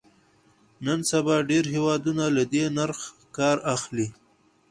نن سبا ډېری هېوادونه له دې نرخ کار اخلي.